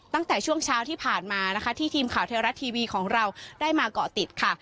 ตั้งแต่ช่วงเช้าที่ผ่านมานะคะที่ทีมข่าวเทวรัฐทีวีของเราได้มาเกาะติดค่ะ